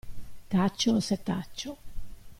Taccio o setaccio.